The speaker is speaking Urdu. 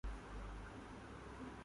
یہ کب پارلیمان میں زیر بحث آئی؟